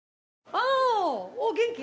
おー元気？